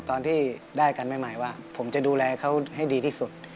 ตอนที่ได้กันใหม่ว่าผมจะดูแลเขาให้ดีที่สุด